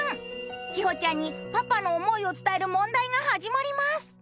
千穂ちゃんにパパの想いを伝える問題が始まります。